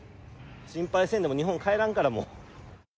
心配せんでも日本帰らんから、もう。